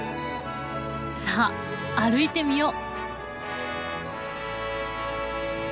さあ歩いてみよう。